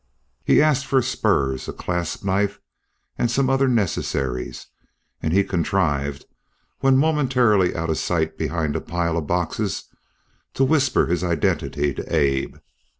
He asked for spurs, a clasp knife and some other necessaries, and he contrived, when momentarily out of sight behind a pile of boxes, to whisper his identity to Abe.